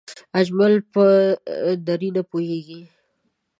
اجمل په دری نه پوهېږي